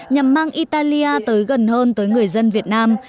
nhằm mang italia tới gần hơn tới người dân việt nam